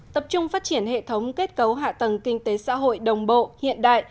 tập trung phát triển hệ thống kết cấu hạ tầng kinh tế xã hội đồng bộ hiện đại